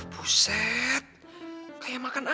buset kayak makan api gue